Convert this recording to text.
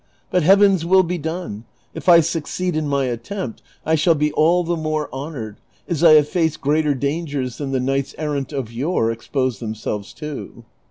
But Heaven's will be done ; if I succeed in my attempt I shall be all the more honored, as I have faced greater dangers than the knights errant of yore exposed themselves to."